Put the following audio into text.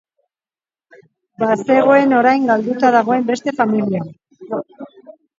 Bazegoen orain galduta dagoen beste familia.